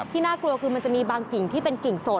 น่ากลัวคือมันจะมีบางกิ่งที่เป็นกิ่งสด